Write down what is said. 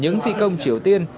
những phi công triều tiên